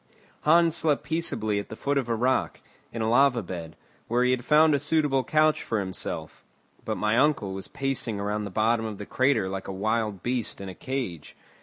Hans slept peaceably at the foot of a rock, in a lava bed, where he had found a suitable couch for himself; but my uncle was pacing around the bottom of the crater like a wild beast in a cage.